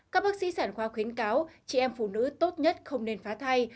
các bác sĩ sản khoa khuyến cáo chị em phụ nữ tốt nhất không nên phá thai